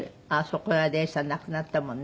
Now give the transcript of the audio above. この間永さん亡くなったもんね。